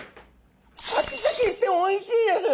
シャキシャキしておいしいです！